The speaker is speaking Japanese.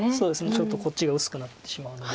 ちょっとこっちが薄くなってしまうので。